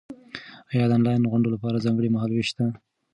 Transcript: ایا د انلاین غونډو لپاره ځانګړی مهال وېش شته؟